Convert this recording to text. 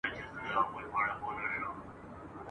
په ټوله ورځ مي ایله وګټله وچه ډوډۍ !.